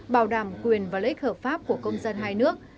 bảo đảm quyền và lợi ích hợp pháp của công dân hai nước